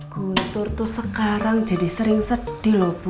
guntur tuh sekarang jadi sering sedih loh bu